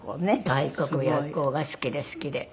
外国旅行が好きで好きで。